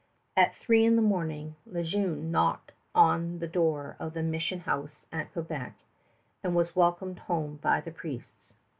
At three in the morning Le Jeune knocked on the door of the mission house at Quebec, and was welcomed home by the priests.